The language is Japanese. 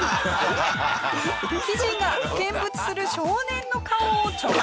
生地が見物する少年の顔を直撃！